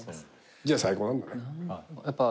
じゃあ最高なんだね。